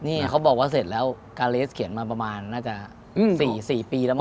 นี่เขาบอกว่าเสร็จแล้วกาเลสเขียนมาประมาณน่าจะ๔ปีแล้วมั